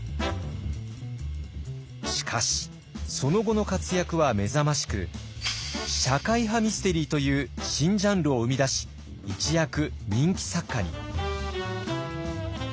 しかしその後の活躍は目覚ましく社会派ミステリーという新ジャンルを生み出し一躍人気作家に。